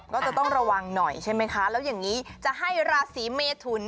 ก็จะต้องระวังหน่อยใช่ไหมคะแล้วอย่างนี้จะให้ราศีเมทุน